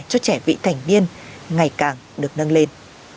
cho trẻ vị thành niên ngày càng được nâng lên